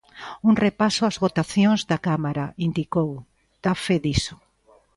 Un repaso ás "votacións" da Cámara, indicou, dá fe diso.